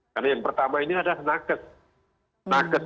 karena yang pertama ini adalah nugget